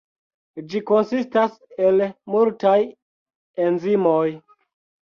Ĝi konsistas el multaj enzimoj.